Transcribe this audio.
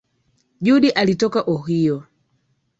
Judy alitoka Ohio.